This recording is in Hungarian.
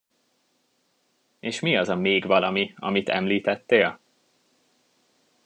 És mi az a még valami, amit említettél?